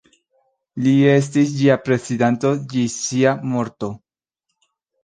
Li estis ĝia prezidanto ĝis sia morto.